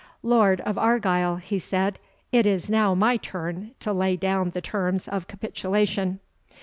"Lord of Argyle," he said, "it is now my turn to lay down the terms of capitulation.